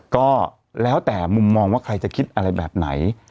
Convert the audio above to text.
ก็แล้วแต่มุมมองว่าใครจะคิดอะไรแบบไหน